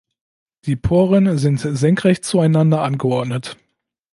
Die Poren sind senkrecht zueinander angeordnet.